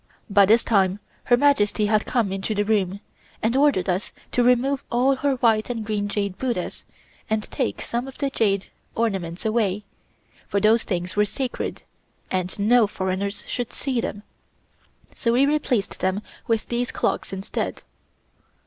By this time her Majesty had come into the room, and ordered us to remove all her white and green jade Buddhas and take some of the jade ornaments away, for those things were sacred, and no foreigners should see them, so we replaced them with these clocks, instead.